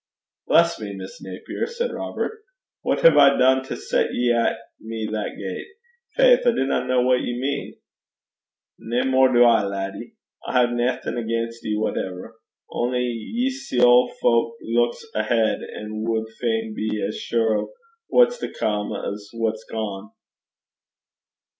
'Bless me, Miss Naper!' said Robert, 'what hae I dune to set ye at me that gait? Faith, I dinna ken what ye mean.' 'Nae mair do I, laddie. I hae naething against ye whatever. Only ye see auld fowk luiks aheid, an' wad fain be as sure o' what's to come as o' what's gane.'